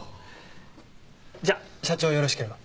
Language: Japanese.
じゃあ社長よろしければ。